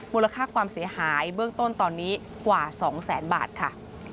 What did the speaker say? มูลค่าความเสียหายเบื้องต้นตอนนี้กว่า๒แสนบาทค่ะ